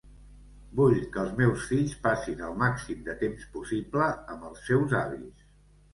Vull que els meus fills passin el màxim de temps possible amb els seus avis.